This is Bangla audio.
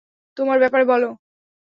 তোমার ব্যাপারে বলো?